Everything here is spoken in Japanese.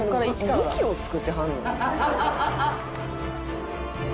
「武器を作ってはるの？」